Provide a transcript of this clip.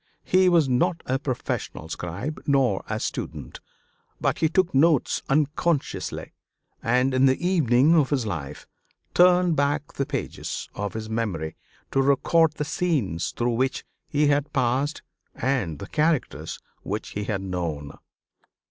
He was not a professional scribe, nor a student; but he took notes unconsciously, and in the evening of his life turned back the pages of his memory to record the scenes through which he had passed and the characters which he had known.